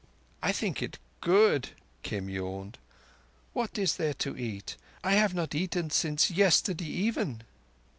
"I think it good," Kim yawned. "What is there to eat? I have not eaten since yesterday even."